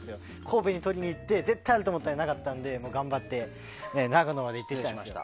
神戸にとりに行って絶対あると思ったのになかったので頑張って長野まで行ってきました。